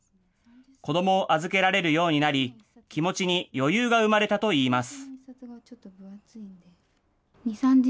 子どもを預けられるようになり、気持ちに余裕が生まれたといいます。